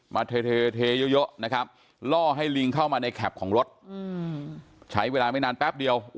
มาเทเยอะนะครับล่อให้ลิงเข้ามาในแคปของรถใช้เวลาไม่นานแป๊บเดียว